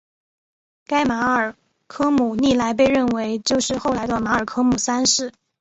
该马尔科姆历来被认为就是后来的马尔科姆三世。